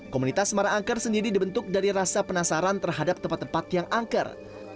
komunitas semarang angker sendiri dibentuk dari rasa penasaran terhadap tempat tempat yang angker